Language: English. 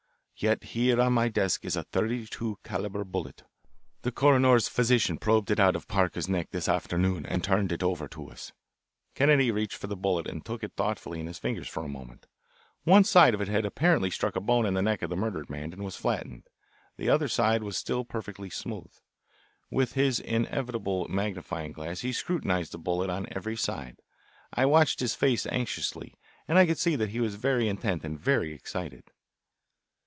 Yet here on my desk is a thirty two calibre bullet. The coroner's physician probed it out of Parker's neck this afternoon and turned it over to us." Kennedy reached for the bullet, and turned it thoughtfully in his fingers for a moment. One side of it had apparently struck a bone in the neck of the murdered man, and was flattened. The other side was still perfectly smooth. With his inevitable magnifying glass he scrutinised the bullet on every side. I watched his face anxiously, and I could see that he was very intent and very excited.